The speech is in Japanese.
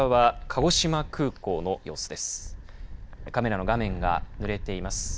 カメラの画面がぬれています。